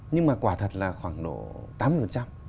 nhưng mà quả thật là khoảng độ tám mươi